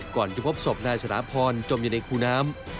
ก่อนจะพบศพนายสถาพรจมอยู่ในคูน้ำ